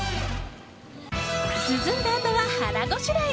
涼んだあとは腹ごしらえ。